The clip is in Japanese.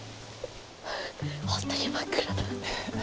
本当に真っ暗だ。